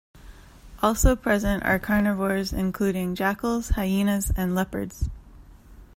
Also present are carnivores including jackals, hyenas and leopards.